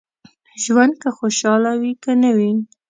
ژوند که خوشاله وي که نه وي.